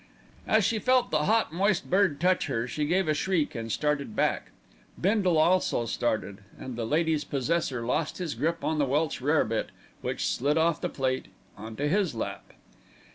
As she felt the hot, moist bird touch her, she gave a shriek and started back. Bindle also started, and the lady's possessor lost his grip on the Welsh rarebit, which slid off the plate on to his lap.